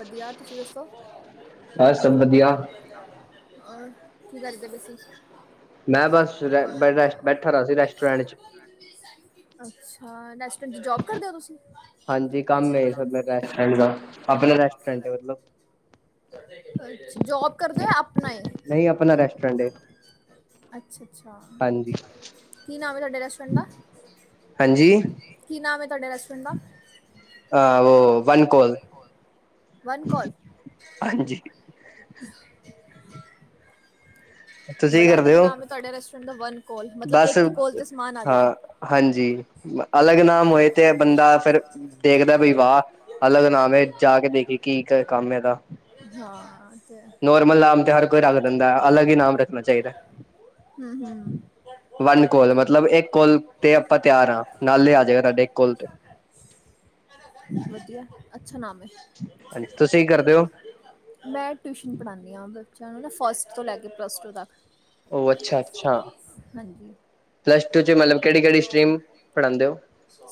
ਵਧੀਆ ਤੁਸੀਂ ਦੱਸੋ ਬਸ ਸਭ ਵਧੀਆ। ਓਰ ਕੀ ਕਰਦੇ ਪਏ ਸੀ? ਮੈਂ ਬਸ ਰੈਸਟ ਬੈਠਾ ਰਿਹਾ ਸੀ ਰੈਸਟੋਰੈਂਟ ਚ ਅੱਛਾ [unintelligible] [unintelligible] ਜੋਬ ਕਰਦੇਓ ਤੁਸੀਂ? ਹਾਂਜੀ ਕੰਮ ਹੈ ਸਭ ਰੈਸਟੋਰੈਂਟ ਦਾ ਆਪਨਾ ਰੈਸਟੋਰੈਂਟ ਐ ਮਤਲਬ। ਜੋਬ ਕਰਦੇ ਓ, ਆਪਣਾ ਏ? ਨਹੀਂ ਆਪਣਾ ਰੈਸਟੋਰੈਂਟ ਹੈ ਅੱਛਾ-ਅੱਛਾ ਹਾਂਜੀ ਕੀ ਨਾਮ ਐ ਤੁਹਾਡੇ ਰੈਸਟੋਰੈਂਟ ਦਾ? ਹਾਂਜੀ ਕੀ ਨਾਮ ਐ ਤੁਹਾਡੇ ਰੈਸਟੋਰੈਂਟ ਦਾ? ਅ ਉਹ ਵਨ ਕੋਲ ਵਨ ਕੋਲ। ਹਾਂਜੀ। [inaudible] ਤੁਸੀਂ ਕੀ ਬੜਾ ਅਲੱਗ ਕਰਦੇ ਹੋ ਨਾਮ ਐ ਤੁਹਾਡੇ ਰੈਸਟੋਰੈਂਟ ਦਾ ਵਨ ਕੋਲ ਮਤਲਬ ਬਸ ਇੱਕ ਈ ਕੋਲ ਤੇ ਸਮਾਨ ਆਜੇਗਾ। ਹਾਂ ਹਾਂਜੀ ਅਲੱਗ ਨਾਮ ਹੋਏ ਤੇ ਬੰਦਾ ਫਿਰ ਦੇਖਦਾ ਬਈ ਵਾਹ ਅਲੱਗ ਨਾਮ ਐ ਜਾ ਕੇ ਦੇਖੀ ਕੀ ਕ ਕੰਮ ਐਦਾ। ਹਾਂ। ਤੇ ਨੋਰਮਲ ਨਾਮ ਤੇ ਹਰ ਕੋਈ ਰੱਖ ਦਿੰਦਾ ਅਲੱਗ ਈ ਨਾਮ ਰੱਖਣਾ ਚਾਈਦੈ। ਹਂ, ਹਂ। ਵੰਨ ਕੋਲ ਮਤਲਬ ਇੱਕ ਕੋਲ ਤੇ ਆਪਾਂ ਤਿਆਰ ਆ ਨਾਲੇ ਆ ਜੇਗਾ ਤਾਡੇ ਇੱਕ ਕੋਲ ਤੇ। ਵਧੀਆ ਅੱਛਾ ਨਾਮ ਏ। ਹਾਂਜੀ, ਤੁਸੀਂ ਕਰਦੇ ਓ? ਮੈਂ ਟਿਊਸ਼ਨ ਪੜਾਨੀ ਆ ਬੱਚਿਆਂ ਨੂੰ ਨਾ ਫਸਟ ਤੋਂ ਲੈ ਕੇ ਪਲੱਸ ਟੂ ਤੱਕ। ਓ ਅੱਛਾ-ਅੱਛਾ, ਹਾਂਜੀ ਪਲੱਸ ਟੂ ਚ ਮਤਲਬ ਕੇੜੀ-ਕੇੜੀ ਸਟ੍ਰੀਮ ਪੜ੍ਹਾਂਦੇ ਓ?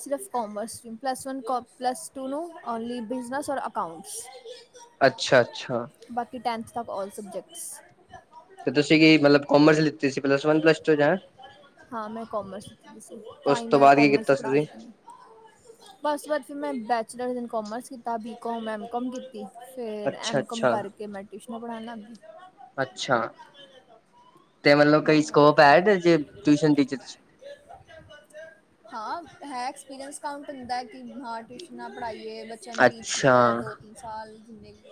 ਸਿਰਫ਼ ਕੋਮਰਸ ਪਲੱਸ ਵਨ ਕੋ ਪਲੱਸ ਟੂ ਨੂੰ ਓਨਲੀ ਬਿਜਨਸ ਔਰ ਅਕਾਊਂਟਸ। ਅੱਛਾ-ਅੱਛਾ। ਬਾਕੀ ਟੈਂਨਥ ਤੱਕ ਓਲ ਸਬਜੈਕਟਸ। ਤੇ ਤੁਸੀਂ ਕੀ ਮਤਲਬ ਕੋਮਰਸ ਲਿੱਤੀ ਸੀ ਪਲੱਸ ਵਨ ਪਲੱਸ ਟੂ ਚ ਹੈਂ? ਕੋਮਰਸ ਲਿਤੀ ਦੀ ਸੀ ਤਾਂ ਉਸ ਹੀ ਤੋਂ ਮੈਂ ਬਾਅਦ ਕੀ ਕੋਮਰਸ ਕੀਤਾ ਸੀ ਪੜ੍ਹਾ ਤੁਸੀਂ [unintelligible] ਬਸ ਵਦ ਫਿਰ ਮੈਂ ਬੈਚਲਰ ਇਨ ਕੋਮਰਸ ਕੀਤਾ। ਬੀਕੋਮ, ਐਮ ਕੋਮ ਕੀਤੀ। ਫੇਰ ਅੱਛਾ ਐਮ ਕੋਮ ਅੱਛਾ ਕਰਕੇ ਮੈਂ ਟਿਊਸ਼ਨਾਂ ਪੜ੍ਹਾਨ ਲਾਗੀ। ਅੱਛਾ। ਤੇ ਮਤਲਬ ਕਈ ਹਾਂ ਸਕੋਪ ਹੈ ਏਦੇ ਚ' ਟਿਊਸ਼ਨ ਟੀਚਰ ਚ'? ਹਾਂ। ਹੈ ਐਕਸਪੀਰੀਅਸ਼ ਕਾਊਂਟ ਹੁੰਦੈ ਕੀ ਹਾਂ, ਟਿਊਸ਼ਨਾਂ ਪੜ੍ਹਾਈਏ ਬੱਚਿਆਂ ਨੂੰ ਟੀਚ ਅੱਛਾ ਕੀਤਾ। ਦੋ ਤਿੰਨ ਸਾਲ ਜਿਨੇ ਵੀ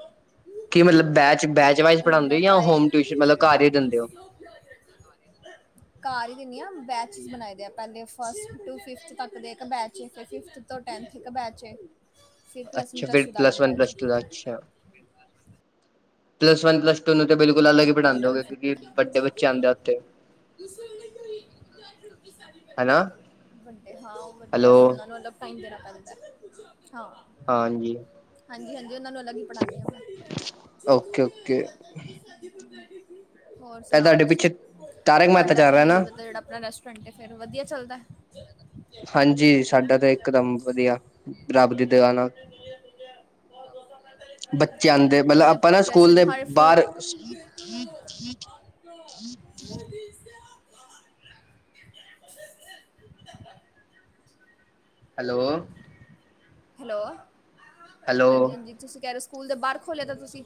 ਕੀ ਮਤਲਬ ਬੈਚ-ਬੈਚ ਵਾਈਜ਼ ਔਰ ਹੁਣ ਪੜ੍ਹਾਂਦੇ ਓ ਮੈਂ ਯਾਂ ਟਰਾਈ ਹੋਮ ਟਿਊਸ਼ਨ ਮਤਲਬ ਘਰ ਈ ਦਿੰਦੇ ਓ? ਘਾਰ ਈ ਦੀਨੀ ਆ, ਬੈਚਿਸ ਬਣਾਈ ਦੇ ਆ ਪੈਲੈ ਫਸਟ ਟੂ ਫਿਫਥ ਤੱ ਕ ਦੇ ਇੱਕ ਬੈਚ ਏ ਫਿਫਥ ਤੋਂ ਟੈਨਥ ਇੱਕ ਬੈਚ ਏ। ਅੱਛਾ। ਫਿਰ ਪਲੱਸ ਵਨ, ਪਲੱਸ ਟੂ ਦਾ ਅੱਛਾ। ਪਲੱਸ ਵਨ, ਪਲੱਸ ਟੂ ਨੂੰ ਤਾਂ ਬਿਲੁ ਅਲਗ ਈ ਪੜ੍ਹਾਂਦੇ ਹੋਗੇ ਕਿਉਂਕੀ ਵੱਡੇ ਬੱਚੇ ਆਂਦੇ ਉੱਥ? ਹਨਾ [unintelligible] ਵੱਡੇ ਹਾਂ, ਓ ਵੱਡੇ ਹੈਲੋ ਆ ਫੇਰ ਓਨਾਂ ਨੂੰ ਟਾਈਮ ਦੇਣਾ ਪੈਂਦੈ ਹਾਂ। ਹਾਂਜੀ। ਹਾਂਜੀ-ਹਾਂਜੀ। ਉਨਾ ਨੂੰ ਅਲਗ ਈ ਪੜ੍ਹਾਨੀ ਆ ਮੈਂ। ਓਕੇ ਓਕੇ ਹੋਰ ਇਹ ਸੁਣਾਓ ਤੁਹਾਡੇ ਤੁਸੀਂ, ਪਿੱਛੇ ਤਾਰਕ ਮਹਿਤਾ ਤੁਹਾਡਾ ਚੱਲ ਰਿਹਾ ਨਾ ਕੀ ਮਤਲਬ ਜੇੜਾ ਆਪਣਾ ਰੈਸ ਟੋਰੇਂਟ ਐ ਫੇਰ ਵਧੀਆ ਚੱਲਦਾ? ਹਾਂਜੀ। ਸਾਡਾ ਤਾਂ ਇਕਦਮ ਵਧੀਆ, ਰੱਬ ਦੀ ਦਿਆ ਨਾ। ਬੱਚੇ ਆਂਦੇ, ਕਿ ਮਤਲਬ ਆਪਾਂ ਨਾ ਸਕੂਲ ਰੈਸਟੋਰੈਂਟ ਦੇ ਹਰ ਫੂਡ ਬਾਰ। [unintelligible] ਹਾਂਜੀ। ਹੈਲੋ, ਹੈਲੋ, ਹਾਂਜੀ- ਹੈਲੋ ਹਾਂਜੀ, ਤੁਸੀਂ ਕਹਿ ਰਹੇ ਸਕੂਲ ਦੇ ਬਾਹਰ ਖੋਲਿਆ ਤਾਂ ਤੁਸੀਂ।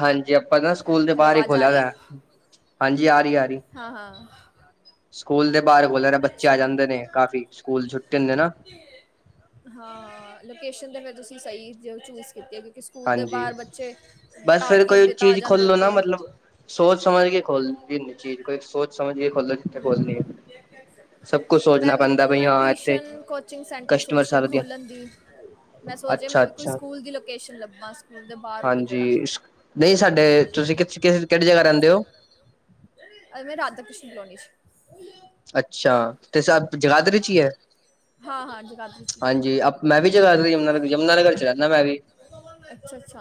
ਹਾਂਜੀ, ਆਪਾਂ ਨਾ ਸਕੂਲ ਦੇ ਹੈਲੋ ਬਾਹਰ ਹੀ ਆਵਾਜ਼ ਆ ਖੋਲਿਆ ਰਹੀ ਹੈ ਦਾ। ਹਾਂਜੀ ਆ ਰਹੀ ਆ ਰਹੀ। ਹਾਂ- ਹਾਂ। ਸਕੂਲ ਦੇ ਬਾਹਰ ਬੋਲਿਆ ਬੱਚੇ ਆ ਅੱਛਾ ਜਾਂਦੇ ਨੇ ਕਾਫੀ, ਸਕੂਲ ਛੁੱਟੇ ਹੁੰਦੇ ਨਾ। ਹਾਂ। ਲੋਕੇਸ਼ਨ ਤੇ ਫਿਰ ਤੁਸੀਂ ਸਹੀ ਜੋ ਚੂਜ਼ ਕੀਤੀ ਕਿ ਸਕੂਲ ਦੇ ਹਾਂਜੀ ਬਾਹਰ ਬੱਚੇ, ਬਸ ਫਿਰ ਪਾਰਟੀ ਕੋਈ ਹੁੰਦੀ ਤਾ ਆ ਚੀਜ਼ ਖੋਲੋ ਨਾ ਜਾਦੇਗੇ। ਮਤਲਬ ਸੋਚ- ਸਮਝ ਕੇ ਖੋਲ ਚੀਜ਼ ਕੋ ਸੋਚ- ਸਮਝ ਕੇ ਖੋਲ ਜਿੱਥੇ ਖੋਲਣੀ। ਹਮ ਸਭ ਕੁਛ ਮੈਂ ਸੋਚਣਾ ਵੀ ਪੈਂਦਾ ਬਈ ਆਪਣਾ ਹਾਂ ਇੱਥੇ ਟਿਊਸ਼ਨ ਕੋਚਿੰਗ ਸੈਂਟਰ ਕਸਟਮਰ ਸੋਚ ਰਿਹਾ ਸਰਵਿਸ ਦੀਆਂ। ਖੋਲਣ ਦੀ। ਮੈਂ ਸੋਚਿਆ ਅੱਛਾ ਮੈਂ ਵੀ ਕੋਈ ਅੱਛਾ ਸਕੂਲ ਦੀ ਲੋਕੇਸ਼ਨ ਲੱਭਾ। ਹਾਂਜੀ। ਨਹੀਂ ਸਾਡੇ, ਤੁਸੀਂ ਕਿਹੜੀ ਜਗ੍ਹਾ ਰਹਿੰਦੇ ਹੋ? ਅ ਮੈਂ ਰਾਧਾਕ੍ਰਿਸ਼ਨ ਕਾਲੋਨੀ। ਅੱਛਾ। ਤੇ ਸ ਚ [inaudible] ਹਾਂ- ਹਾਂ। ਜਗਾ ਹਾਂਜੀ। ਅ ਮੈਂ ਵੀ ਜਗਾਧਰੀ ਹੁਨਾ ਯਮੁਨਾ ਯਮੁਨਾਨਗਰ ਚ' ਰਹਿੰਦਾ ਮੈਂ ਵੀ। ਅੱਛਾ -ਅੱਛਾ।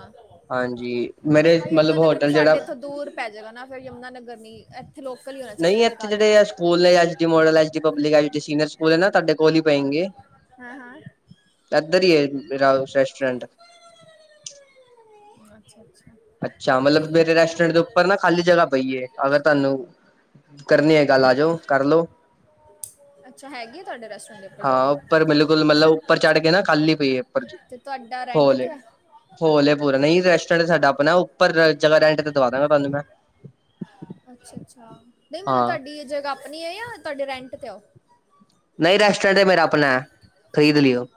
ਹਾਂਜੀ ਮੇਰੇ ਹਾਈ ਅਹਮਦ ਮਤਲਬ ਨਗਰ ਚ' ਹੋਟਲ ਸਾਡੇ ਜਿਹੜਾ ਇੱਥੋਂ ਦੂਰ। ਪੈ ਜਾਗਾ ਨਾ ਫਿਰ ਯਮੁਨਾ ਨਗਰ ਨੀ, ਇੱਥੇ ਲੋਕਲ ਹੀ ਹੋਣਾ ਨਹੀਂ ਚਾਹੀਦਾ ਇੱਥੇ ਜਗਾਧਰੀ ਹੀ। ਜਿਹੜੇ ਸਕੂਲ ਨੇ A D model, H D public, H D senior school ਹੈ ਨਾ ਤੁਹਾਡੇ ਕੋਲ ਹੀ ਪਏਗੇ। ਹਾਂ ਹਾਂ ਇੱਧਰੀ ਹੀ ਹੈ ਰਾ ਰੈਸਟੋਰੈਂਟ। ਅੱਛਾ -ਅੱਛਾ। ਅੱਛਾ। ਮਤਲਬ ਮੇਰੇ ਰੈਸਟੋਰੈਂਟ ਦੇ ਉੱਪਰ ਨਾ ਖਾਲੀ ਜਗ੍ਹਾ ਪਈਏ। ਅਗਰ ਤੁਹਾਨੂੰ ਕਰਨੀ ਹੈ ਗੱਲ ਆ ਜਾਓ, ਕਰ ਲੋੋ। ਅੱਛਾ, ਹੈਗੀ ਆ ਤੁਹਾਡੇ ਰੈਸਟੋਰੈਂਟ। ਹਾਂ ਉੱਪਰ ਬਿਲਕੁਲ ਮਤਲਬ ਉੱਪਰ ਚੜ੍ਹ ਕੇ ਨਾ ਖਾਲੀ ਪਈ ਹੈ ਉੱਪਰ ਤੇ ਤੁਹਾਡਾ ਰੈਂਟ ਤੇ ਆ ਹੋਲੇ ਪੂਰ ਨਹੀਂ, ਰੈਸਟੋਰੈਂਟ ਸਾਡਾ ਆਪਣਾ ਉਪਰ ਜਗ੍ਹਾਹ ਰੈਂਟ ਤੇ ਦਵਾ ਦਵਾਗਾ ਤੁਹਾਨੂੰ ਮੈਂ ਅੱਛਾ ਅੱਛਾ, ਨਹੀਂ ਮਤਲਬ ਹਾਂ ਤੁਹਾਡੀ ਜਗ੍ਹਾਹ ਆਪਣੀ ਐ ਜਾਂ ਤੁਹਾਡੇ ਰੈਂਟ ਤੇ ਓ ਨਹੀਂ ਰੈਸਟੋਰੈਂਟ ਤੇ ਮੇਰਾ ਆਪਣਾ ਐ ਖਰੀਦ ਲਿਓ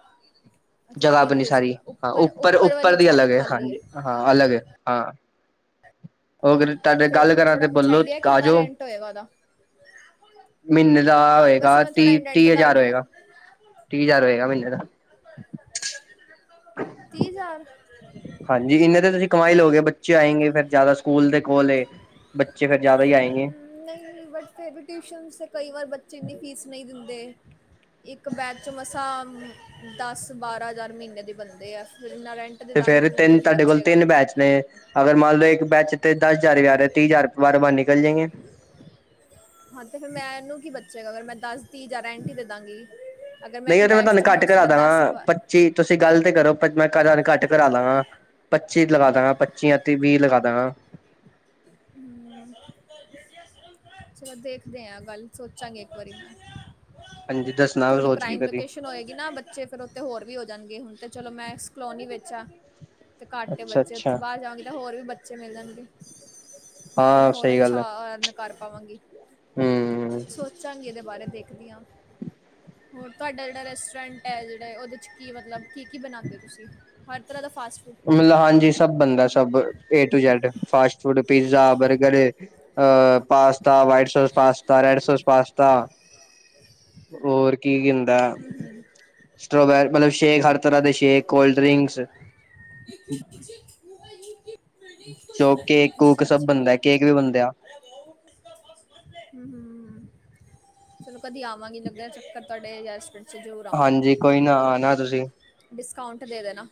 ਜਗਾਹ ਆਪਣੀ ਸਾਰੀ, ਹਾਂ ਉੱਪਰ ਉੱਪਰ ਦੀ ਅਲੱਗ ਹੈ ਹਾਂਜੀ ਹਾਂ, ਅਲਗ ਹੈ ਹਾਂ ਉਹਗ ਤੁਹਾਡੇ ਗੱਲ ਕਰਾਂ ਤੇ, ਬੋਲੋ ਆ ਜਓ ਉਹਦਾ ਮਹੀਨੇ ਦਾ ਹੋਏਗਾ, ਤੀਹ ਤੀਹ ਦਾ ਹਜ਼ਾਰ ਆਈਡੀਆ ਹੋਏਗਾ ਤੀਹ ਹਜ਼ਾਰ ਹੋਏਗਾ ਮਹੀਨੇ ਦਾ ਤੀਹ ਹਜ਼ਾਰ ਹਾਂਜੀ ਇਹਨਾਂ ਦੇ ਤੁਸੀਂ ਕਮਾ ਈ ਲਓਗੇ, ਬੱਚੇ ਆਏਗੇ ਫਿਰ ਜ਼ਿਆਦਾ, ਸਕੂਲ ਦੇ ਕੋਲ ਏ ਬੱਚੇ ਫਿਰ ਜ਼ਿਆਦਾ ਹੀ ਆਂਏਗੇ ਨਹੀਂ ਨਹੀਂ ਬਟ ਫਿਰ ਵੀ ਟਿਊਸ਼ਨ ਤੇ, ਕਈ ਵਾਰ ਬੱਚੇ ਇਨੀ ਫੀਸ ਨਹੀਂ ਦਿੰਦੇ ਇੱਕ ਬੈਚ ਮਸਾਂ ਦਸ ਬਾਰਾਂ ਹਜ਼ਾਰ ਮਹੀਨੇ ਦੇ ਬੰਦੇ ਆ ਫਿਰ ਇੰਨਾ ਰੈਂਟ ਦੇ ਤੇ ਦਾਂਗੀ ਫੇਰ ਫਿਰ ਤਿੰਨ ਮੈਨੂੰ ਕੀ ਤੁਹਾਡੇ ਕੋਲ ਬਚੇਗਾ ਤਿੰਨ ਬੈਚ ਨੇ ਅਗਰ ਮੰਨ ਲਓ ਇੱਕ ਬੈਚ ਤੇ ਦਸ ਹਜ਼ਾਰ ਐ, ਤੀਹ ਹਜ਼ਾਰ ਬਾਹਰੋ ਬਾਹ ਨਿਕਲ ਜਾਏਗੇ ਹਾਂ ਤੇ ਫਿਰ ਮੈਂਨੂੰ ਕੀ ਬਚੇਗਾ ਅਗਰ ਮੈਂ ਦੱਸ ਤੀਹ ਹਜ਼ਾਰ ਰੈਂਟ ਈ ਦੇ ਦਾਂਗੀ, ਅਗਰ ਮੈਂ ਕਬੈਸਟ ਮੋਸਟਲੀ ਦਸ ਵਾਰ ਜੀ ਤੁਸੀਂ ਗੱਲ ਤੇ ਕਰੋ ਮੈਂ ਕਲਰ ਘੱਟ ਕਰਾ ਦਾਗਾ ਪੱਚੀ ਲਗਾ ਦਾਂਗਾ, ਪੱਚੀ ਅਤੇ ਵੀਹ ਲਗਾ ਦਾਂਗਾ ਹਮ [inaudible] ਚਲੋ ਦੇਖਦੇ ਆ, ਗੱਲ ਸੋਚਾਂਗੇ ਇੱਕ ਵਾਰੀ ਹਾਂਜੀ ਦੱਸਣਾ ਥੋੜੀ ਸੋਚ ਕੇ ਪ੍ਰਾਈਮ ਕਦੀ ਲੋਕੇਸ਼ਨ ਹੋਏਗੀ ਨਾ ਫਿਰ ਤੇ ਉੱਥੇ ਹੋਰ ਵੀ ਹੋ ਜਾਣਗੇ, ਹੁਣ ਤੇ ਚਲੋ ਮੈਂ ਇਸ ਕਲੋਨੀ ਵਿੱਚ ਆਂ ਇਥੇ ਘਾਟ ਏ ਅੱਛਾ ਬੱਚੇ, ਉੱਥੇ ਅੱਛਾ ਬਾਹਰ ਜਾਵਾਂਗੀ ਤੇ ਹੋਰ ਵੀ ਬੱਚੇ ਮਿਲ ਜਾਣਗੇ ਫਿਰ ਮੈਂ ਹਾਂ ਹੋਰ ਸਹੀ ਗੱਲ ਅੱਛਾ ਹੈ ਕਰ ਪਾਵਾਂਗੀ, ਹਮ ਸੋਚਾਂਗੀ ਇਹਦੇ ਬਾਰੇ ਦੇਖ ਦੇਖਦੀ ਆਂ, ਹੋਰ ਤੁਹਾਡਾ ਜਿਹੜਾ ਰੈਸਟੋਰੈਂਟ ਹੈ ਜਿਹੜਾ, ਉਹਦੇ ਚ ਕੀ ਮਤਲਬ ਕੀ ਕੀ ਬਣਾਉਂਦੇ ਹੋ ਤੁਸੀਂ, ਹਰ ਤਰ੍ਹਾਂ ਦਾ ਫਾਸਟ ਫੂਡ ਮਤਲਬ ਹਾਂਜੀ ਸਭ ਬੰਦਾ ਸਭ A to Z fast food, pizza, burger uh pasta white sauce pasta, red sauce pasta ਹੋਰ ਕੀ। ਹੂ ਹੂ ਸਟ੍ਰੋਬੈਰੀ ਮਤਲਬ ਸ਼ੇਕ, ਹਰ ਤਰ੍ਹਾਂ ਦੇ ਸ਼ੇਕ, ਕੋਲਡ ਡਰਿੰਕਸ [unintelligible] ਜੋ ਕੇਕ ਕੂਕ ਸਭ ਬਣਦਾ ਕੇਕ ਵੀ ਬਣਦੇ ਆ। ਹੂ ਹੂ ਚਲੋ ਕਦੀ ਆਵਾਂਗੀ ਲੱਗਿਆ ਚੱਕਰ ਤੁਹਾਡੇ ਰੈਸਟੋਰੈਂਟ 'ਚ ਜ਼ਰੂਰ ਹਾਂਜੀ ਕੋਈ ਨਾ ਆਣਾ ਤੁਸੀਂ ਡਿਸਕਾਊਂਟ ਦੇ ਦੇਣਾ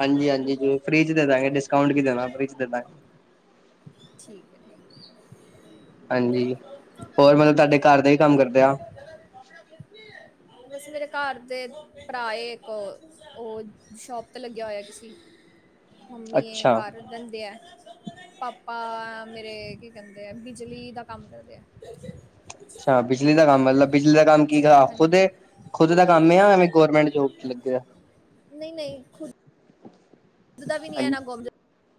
ਹਾਂਜੀ ਹਾਂਜੀ ਜੋ ਫ੍ਰੀ ਚ ਦੇ ਦਾਂਗੇ, ਡਿਸਕਾਊਂਟ ਕੀ ਦੇਣਾ ਫ੍ਰੀ ਚ ਦੇ ਦਾਂਗੇ ਠੀਕ ਹੈ ਠੀਕ ਹਾਂਜੀ ਹੋਰ ਮਤਲਬ ਤੁਹਾਡੇ ਘਰ ਦਾ ਹੀ ਕੰਮ ਕਰਦੇ ਆ ਬਸ ਮੇਰੇ ਘਰ ਦੇ ਭਰਾ ਏਕ ਉਹ ਸ਼ੋਪ ਤੋਂ ਲੱਗਿਆ ਹੋਇਆ ਕਿਸੀ ਮੰਮੀ ਇਹ ਅੱਛਾ ਕਰ ਦੰਦੇ ਹੈ ਪਾਪਾ ਪਾਂਵਾ ਮੇਰੇ ਕਿ ਕੈਂਦੇ ਆ ਬਿਜਲੀ ਦਾ ਕੰਮ ਕਰਦੇ ਐ ਛਾ ਬਿਜਲੀ ਦਾ ਕੰਮ ਮਤਲਬ ਬਿਜਲੀ ਦਾ ਕੰਮ ਕੀ ਕਰਾਂ ਖੁਦ ਹਾਂਜੀ ਖੁਦ ਦਾ ਕੰਮ ਐ ਔਵੇਂ ਗੌਰਰਮੈਂਟ ਜੋਬ ਚ ਲੱਗੇ ਆ। ਨਈ- ਨਈ ਖੁਦ ਜਿ ਦਾ ਵੀ ਨੀ ਐ ਹਾਂਜੀ ਨਾ ਗੋਮ ਜੋ।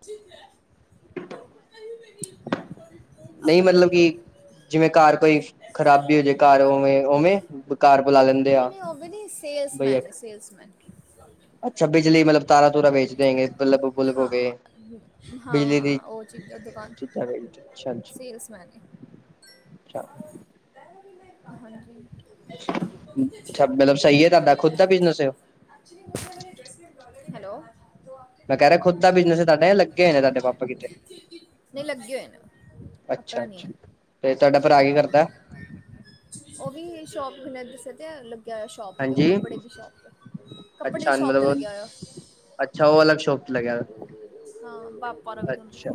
ਠਿਕੈ, [unintelligible] ਹਾਂ [unintelligible] ਨਈ, ਮਤਲਬ ਕਿ ਜਿਵੇਂ ਘਰ ਕੋਈ ਖ਼ਰਾਬੀ ਹੋ ਜੇ ਘਰ ਔਂਵੇ -ਔਂਵੇ ਨਈ -ਨਈ ਔ ਵੇ ਨੀ ਬਈ ਸੇਲਸਮੈਨ- ਸੇਲਸਮੈਨ ਅੱਛਾ ਬਿਜਲਈ ਮਲਬ ਤਾਰ ਤਾਂ ਵੇ ਜਿਦਾ ਹੋਗੇ ਬਲਬ ਬੁਲਬ ਹੋ ਗੇ ਹਾਂ ਬਿਜਲੀ ਦੀ ਹਾਂ ਉਹ ਚੀਜ਼ ਦੀ ਦੁਕਾਨ ਚੀਜਾ ਸੇਲਸਮੈਨ ਅ ਛਾ [unintelligible] ਹਾਂਜੀ, ਅੱਛਾ ਮਤਲਬ ਸਹੀ ਹੈ ਤੁਹਾਡਾ ਖੁਦ ਦਾ ਬਿਜਨਸ ਹੈ [unintelligible] [unintelligible] ਹੈਲੋ। ਮੈਂ ਕੈ ਰੇਯਾ ਖੁੱਦ ਦਾ ਬਿਜਨਸ ਤਾਡ ਲੱਗੇ ਹੋਏ ਨੇ ਤਾਡੇ ਪਾਪਾ ਕਿਤੇ ਨਈ ਲੱਗੇ ਹੋਏ ਨੇ ਅੱਛਾ ਆਪਣਾ ਅੱਛਾ ਤੇ ਤਾਡਾ ਭਰਾ ਕੀ ਕਰਦੈ। ਔ ਵੀ ਸ਼ੋਪ ਮੈ ਦੱਸੇਯਾ ਤੇ ਹੈ ਲ ਗਿਆ ਹੋਯਾ ਸ਼ੋਪ ਤੇ ਹਾਂਜੀ ਕੱਪੜੇ ਦੀ ਸ਼ੋਪ ਤੇ, ਕੱਪੜੇ ਦੀ ਅੱਛਾ ਸ਼ੋਪ ਤੇ ਮਤਲਬ ਲੱਗਿਆ ਹੋਇਯਾ। ਅੱਛਾ ਔ ਅਲਗ ਸ਼ੌਪ ਲਗੇਯਾ [unintelligible] ਹਾਂ ਬਾਪ ਅੱਛਾ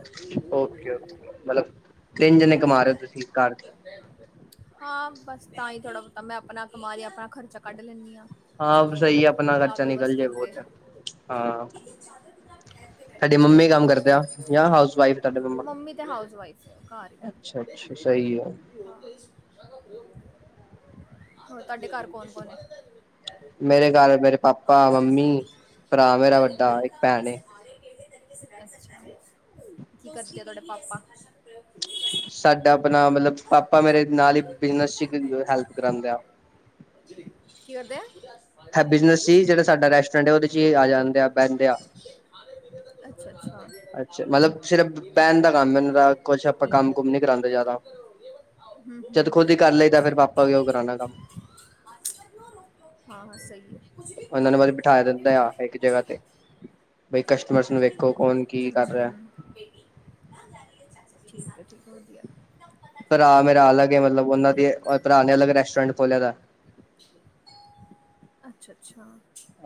ਔਕੇ- ਔਕੇ ਮਤਲਬ ਤਿੰਨ ਜਣੇ ਕਮਾ ਰੇ ਤੁਸੀਂ ਇਸ ਘਰ ਚ ਹਾਂ ਬਸ ਤਾਂ ਈ ਥੋੜ੍ਹਾ ਬੋਤਾ ਮੈਂ ਅਪਣਾ ਕਮਾ ਰੀ ਆ ਅਪਣਾ ਖਰਚਾ ਕੱਢ ਲੈਂਨੀ ਆਂ। ਹਾਂ ਬੀ ਸਈ ਐ ਅਪਣਾ ਖਰਚਾ ਨਿਕਲ ਜੇ ਬੋਤ ਏ ਮੰਮੀ ਕੰਮ ਕਰਦੇ ਆ ਜਾਂ ਹਾਊਸ ਵਾਈਫ ਤੁਹਾਡੇ [unintelligible] ਮੰਮਾ ਮੰਮੀ ਤੇ ਹਾਊਸਵਾਈਫ ਘਰ ਈ ਰੈੰਦੇ ਆ। ਅੱਛਾ ਅੱਛਾ ਸਹੀ ਹੈ [unintelligible] ਹਾਂ, ਹੋਰ ਤਾਡੇ ਘਰ ਕੌਣ -ਕੌਣ ਏ? ਮੇਰੇ ਘਰ, ਮੇਰੇ ਪਾਪਾ, ਮੰਮੀ ਭਰਾ ਮੇਰਾ ਵੱਡਾ ਇੱਕ ਭੈਣ ਏ ਅਛਾ ਜੀ, ਕੀ ਕਰਦੇ ਆ ਤਆਡੇ ਪਾਪਾ ਸਾਡਾ ਅਪਨਾ ਮਤਲਬ ਪਾਪਾ ਮੇਰੇ ਨਾਲ ਈ ਬਿਜਨਸ ਚ ਹੈਲਪ ਕਰਾਂਦੇ ਆ। ਕੀ ਕਰਦੇ ਆ। [unintelligible] ਹੈ ਬਿਜਨਸ ਸੀ ਜੇੜਾ ਸਾਡਾ ਰੈਸਟੋਰੈਂਟ ਏ ਔਦੇ ਚ ਈ ਆ ਜਾਂਦੇ ਆ ਬੈਂਦੇ ਆ ਅਛਾ-ਅਛਾ [unintelligible] [unintelligible] ਹਮ ਅੱਛਾ ਮਤਲਬ ਸਿਰਫ ਬਹਿਣ ਦਾ ਕੰਮ ਇਹਨਾਂ ਦਾ ਕੁਛ ਆਪਾਂ ਕੰਮ ਕੁਮ ਨੀ ਕਰਾਉਂਦੇ ਜ਼ਿਆਦਾ ਜਦ ਖੁਦ ਹੀ ਕਰ ਲਈਦਾ ਫਿਰ ਪਾਪਾ ਵੀ ਉਹ ਕਰਾਉਣਾ ਕੰਮ [unintelligible] [unintelligible] ਹਾਂ ਸ ਈ ਐ ਔਨਾਂ ਨੂੰ ਬ ਬਿਠਾ ਦਿੰਦਾ ਆ ਇੱਕ ਜਗ੍ਹਾ ਤੇ, ਬੀ ਕਸਟਮਰਸ ਨੂੰ ਵੇਖੋ ਕੌਣ ਕੀ ਕਰ ਰਿਆ [unintelligible] ਠਕ ਠੀਕ ਵਧੀਆ [unintelligible] ਪਰਾ ਮੇਰਾ ਅਲੱਗ ਏ ਮਤਲਬ ਔਨਾਂ ਦੇ ਪਰਾ ਨੇ ਅਲੱਗ ਰੈਸਟੋਰੈਂਟ ਖੋਲ੍ਹਿਆ ਦੈ ਅੱਛਾ-ਅੱਛਾ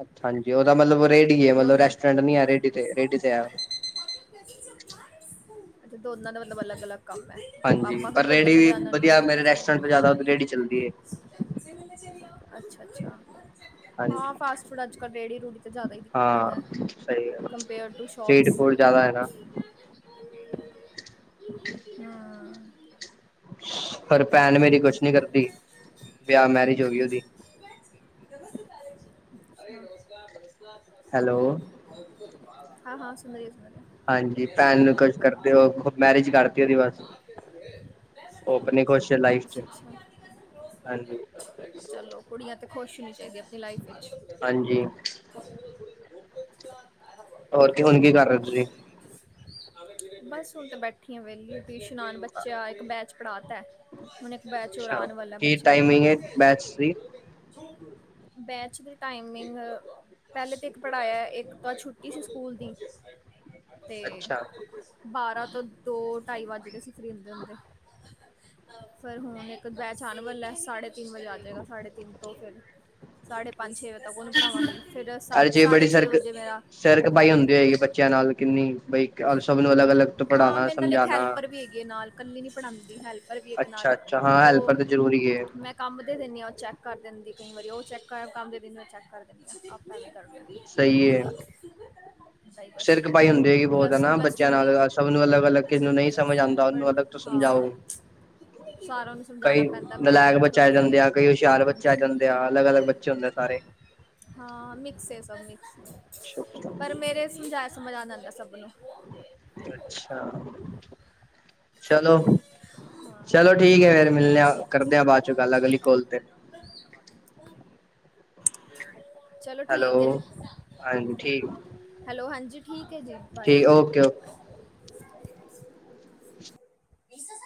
ਅੱਛਾ ਹਾਂਜੀ ਔ ਦਾ ਮਤਲਬ ਰੇੜੀ ਏ ਮਤਲਬ ਦੋਨਾਂ ਰੈਸਟੋਰੈਂਟ ਨੀ ਐ ਰੇੜੀ ਤੇ ਰੇੜੀ ਤੇ ਐ [unintelligible] ਦੋਨਾਂ ਦਾ ਮਤਲਬ ਅਲੱਗ -ਅਲੱਗ ਕੰਮ ਐ ਹਾਂਜੀ ਪਾਪਾ ਪਰ ਕਦੀ ਔਧਰ ਰੇਹੜੀ ਚਲੇ ਵੀ ਆਨੇ ਵਧੀਆ ਕਦੀ ਔਧਰ ਮੇਰੇ ਚਲੇ ਰੈਸਟੋਰੈਂਟ ਤੋਂ ਜ਼ਿਆਦਾ ਰੇਹੜੀ ਚੱਲਦੀ ਏ ਅੱਛਾ-ਅੱਛਾ ਹਾਂਜੀ। ਹਾਂ ਫਾਸਟ ਫੂਡ ਅਜ ਕਲ ਰੇੜੀ ਰੂੜੀ ਤੇ ਜਾਦਾ ਹਾਂ ਵਿਕਦੈ ਸਹੀ ਗੱਲ compare to street shops food ਜ਼ਿਆਦਾ ਹੈ ਨਾ ਹ [unintelligible] ਹਾਂ ਪਰ ਪੈਣ ਮੇਰੀ ਕੁਛ ਨੀ ਕਰਦੀ। ਵਿਆਹ ਮੈਰਿਜ ਹੋ ਗੀ ਉਹਦੀ ਅਰੇ ਨਮਸਕਾਰ ਨਮਸਕਾਰ [unintelligible] ਹੈਲੋ ਹਾਂ ਹਾਂ ਸੁੰਨਰੀ ਸੁੰਨਰੀਆ ਹਾਂਜੀ ਪੈਣ ਨੂੰ ਕੁਛ ਕਰਦੇ ਉਹ, ਮੈਰਿਜ ਕਰਤੀ ਉਹਦੀ ਬਸ। ਉਹ ਆਪਨੀ ਖੁਸ਼ ਏ ਲਾਈਫ ਚ, ਅੱਛਾ ਅੱਛਾ ਹਾਂਜੀ। ਚਲੋ ਕੁੜੀਆਂ ਤੇ ਖੁਸ਼ ਹੋਣੀ ਚਾਹੀਦੀਆਂ ਆਪਣੀ ਲਾਈਫ ਵਿਚ ਹਾਂਜੀ [unintelligible] ਹੋਰ ਜੀ ਹੁਣ ਕੀ ਕਰ ਰੇ ਓ ਤੁਸੀਂ? ਬਸ ਹੁਣ ਤੇ ਬੈਠੀ ਆ ਵਿਹਲੀ ਫ ਇਸ਼ਨਾਨ ਬੱਚਾ ਇੱਕ ਬੈਚ ਪੜ੍ਹਾਤਾ ਹੈ। ਹੁਣ ਇੱਕ ਬੈਚ ਹੋਰ ਅੱਛਾ ਆਣ ਵਾਲਾ ਹੈ ਕੀ ਬੱਚਿਆਂ ਦਾ ਟਾਈਮਿੰਗ ਹੈ ਬੈਚ ਦੀ ਬੈਚ ਦੀ ਟਾਈਮਿੰਗ ਪਹਿਲੇ ਤੇ ਇੱਕ ਪੜ੍ਹਾਇਆ ਹੇ। ਇੱਕ ਤਾਂ ਛੁੱਟੀ ਸੀ ਸਕੂਲ ਦੀ। ਤੇ ਅੱਛਾ ਬਾਰਾਂ ਤੋਂ ਦੋ ਢਾਈ ਵੱਜ ਕੇ ਅਸੀਂ ਫਰੀ ਹੁੰਦੇ ਹੁੰਦੇ। ਫੇਰ ਹੁਣ ਇੱਕ ਬੈਚ ਆਨ ਵਾਲਾ ਏ, ਸਾਢੇ ਤਿੰਨ ਵਜੇ ਆ ਜਾਏਗਾ। ਸਾਢੇ ਤਿੰਨ ਤੋਂ ਫਿਰ ਸਾਢੇ ਪੰਜ ਛੇ ਵਜੇ ਤੱਕ ਉਹਨੂੰ ਪੜ੍ਹਾਵਾਂਗੀ। ਫੇਰ ਸੱਤ ਅਰੇ ਜੇ ਸਾਢੇ ਬੜੀ ਛੇ ਸਰਕ ਵਜੇ ਮੇਰਾ ਸਿਰ ਖਪਾਈ ਹੁੰਦੀ ਹੋਏਗੀ ਬੱਚਿਆਂ ਨਾਲ ਕਿੰਨੀ, ਬਈ ਸਭ ਨੂੰ ਅਲਗ ਅਲੱਗ ਤੋਂ ਹਾਂ ਪੜ੍ਹਾਨਾ, ਮੇਰੇ ਨਾਲ ਇੱਕ ਸਮਝਾਨਾ ਹੈਲਪਰ ਵੀ ਹੈਗੀ ਹੈ ਨਾਲ ਇਕੱਲੀ ਨਹੀਂ ਪੜ੍ਹਾਉਂਦੀ ਹੈਲਪਰ ਵੀ ਇੱਕ ਨਾਲ ਅੱਛਾ-ਅੱਛਾ, ਹਾਂ ਹੈਲਪਰ ਉਹ ਤਾਂ ਜ਼ਰੂਰੀ ਏ ਮੈਂ ਕੰਮ ਦੇ ਦਿਨੀ ਆ, ਉਹ ਚੈੱਕ ਕਰ ਦਿੰਦੀ। ਕਈ ਵਾਰੀ ਉਹ ਚੈੱਕ ਕਰ ਕੰਮ ਦੇ ਦਿਨੈਂ, ਮੈਂ ਚੈੱਕ ਕਰ ਦਿੰਦੀ ਹ ਆਪਾਂ ਵੀ ਕਰਦੇ ਹਾਂ ਸਈ ਏ ਹੈਲਪ ਹੈਗੀ ਬਹੁਤ ਪਲਸ ਓ ਪਲਸ [unintelligible] ਸਭ ਨੂੰ ਅਲੱਗ ਅਲੱਗ, ਕਿਸੇ ਨੂੰ ਨਈ ਸਮਝ ਆਂਦਾ, ਉਹਨੂੰ ਬੜੀ ਅੱਗ ਤੋਂ ਜ਼ਿਆਦਾ ਸਮਝਾਓ ਹਾਂ ਸਾਰਾ ਨੂੰ ਸਮਝਾਉਣਾ ਕਈ ਪੈਂਦਾ ਨਲਾਇਕ ਮੈਥ ਬੱਚੇ ਆ ਜਾਂਦੇ ਇਹ ਆ, ਕਈ ਉਹ ਹੁਸ਼ਿਆਰ ਬੱਚੇ ਆ ਜਾਂਦੇ ਆ। ਅਲੱਗ ਅਲੱਗ ਬੱਚੇ ਹੁੰਦੇ ਆ ਸਾਰੇ [unintelligible] ਹਾਂ ਮਿਕਸ ਏ ਸਭ ਮਿਕਸ। ਪਰ ਮੇਰੇ ਸਮਝਾਇਆ ਸਮਝ ਆ ਜਾਂਦਾ ਸਭ ਨੂੰ। ਅੱਛਾ ਚਲੋ ਹਾਂ ਚਲੋ ਠੀਕ ਏ ਫੇਰ ਮਿਲਨੇ ਆ, ਕਰਦਿਆਂ ਬਾੱਦ ਚੋਂ ਗੱਲ ਅਗਲੀ ਕੋਲ ਤੇ [unintelligible] ਚਲੋ ਠੀਕ ਏ ਜੀ। ਹੈਲੋ ਹਾਂਜੀ ਠੀਕ ਹੈਲੋ ਹਾਂਜੀ ਠੀਕ ਏ ਜੀ ਬਾਏ। ਠੀਕ ਓਕੇ ਓਕੇ [unintelligible] ਬੀਸ ਹਜ਼ਾਰ [unintelligible]